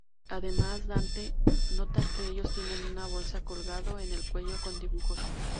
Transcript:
Además Dante nota que ellos tienen una bolsa colgando al cuello con dibujos.